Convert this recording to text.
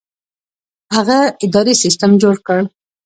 هغه اداري سیستم جوړ کړ.